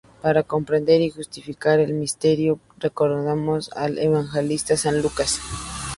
Para comprender y justificar el Misterio, recordemos al Evangelista San Lucas.